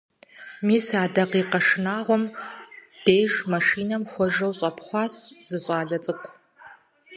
Мис а дакъикъэ шынагъуэм деж машинэм хуэжэу щӀэпхъуащ зы щӀалэ цӀыкӀу.